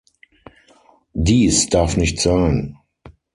Dies darf nicht sein.